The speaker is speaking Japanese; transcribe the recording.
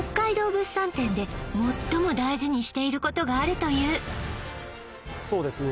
物産展で最も大事にしていることがあるというそうですね